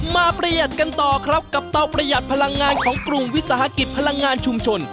ประหยัดกันต่อครับกับเตาประหยัดพลังงานของกลุ่มวิสาหกิจพลังงานชุมชน